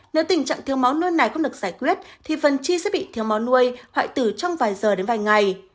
nếu tình trạng thiếu máu nôn này không được giải quyết thì phần chi sẽ bị thiếu máu nuôi hoại tử trong vài giờ đến vài ngày